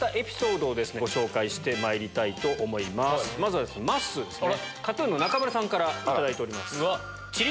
まずはまっすーですね。